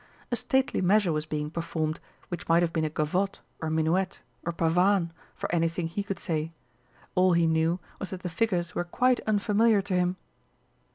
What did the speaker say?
A stately measure was being performed, which might have been a gavotte or minuet or pavane for anything he could say; all he knew was that the figures were quite unfamiliar to him.